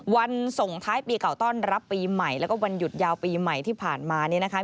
วันส่งท้ายปีเก่าต้อนรับปีใหม่แล้วก็วันหยุดยาวปีใหม่ที่ผ่านมาเนี่ยนะคะ